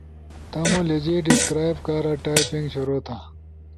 تمو لہجے ڈیسکرائب کارا ٹائپنگ شروع تھا